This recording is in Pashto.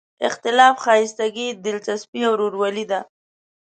اختلاف ښایستګي، دلچسپي او ورورولي ده.